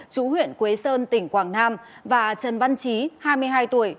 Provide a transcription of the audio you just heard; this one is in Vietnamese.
chú huyện quế sơn tỉnh quảng nam và trần văn trí hai mươi hai tuổi